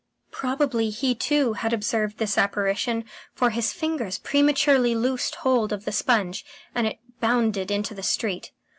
Probably he too had observed this apparition, for his fingers prematurely loosed hold of the sponge, and it bounded into the street.